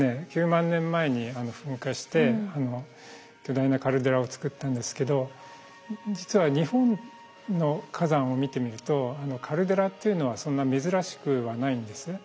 ９万年前に噴火して巨大なカルデラをつくったんですけど実は日本の火山を見てみるとカルデラっていうのはそんな珍しくはないんですね。